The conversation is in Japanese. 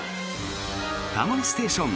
「タモリステーション」